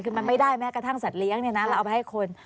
คือไม่ได้แม้กระทั่งสัดเลี้ยงนะแล้วเอามาให้คน